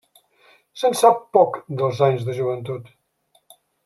Se'n sap poc dels anys de joventut.